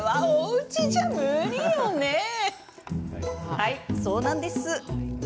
はい、そうなんです。